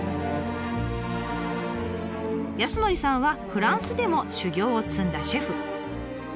康典さんはフランスでも修業を積んだシェフ。